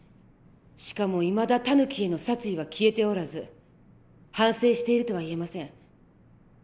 しかもいまだタヌキへの殺意は消えておらず反省しているとは言えません。